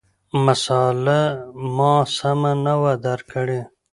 مسأله ما سمه نه وه درک کړې،